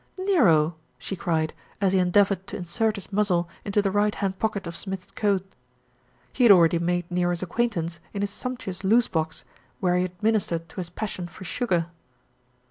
"Nero!" she cried, as he endeavoured to insert his muzzle into the right hand pocket of Smith's coat. He had already made Nero's acquaintance in his sumptu ous loose box, where he had ministered to his passion for sugar.